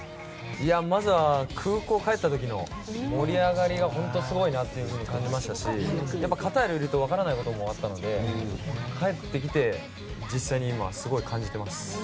まずは空港に帰った時の盛り上がりが本当にすごいなと感じましたしカタールにいると分からないこともあったので帰ってきて、実際に今すごく感じています。